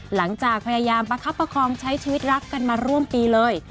หลังจากพยายามประคับประคองใช้ชีวิตรักกันมาร่วมปีเลย